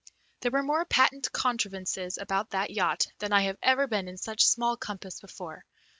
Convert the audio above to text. There were more patent contrivances about that yacht than I have ever seen in such small compass before.